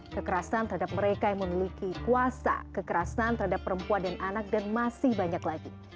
kekerasan terhadap mereka yang memiliki kuasa kekerasan terhadap perempuan dan anak dan masih banyak lagi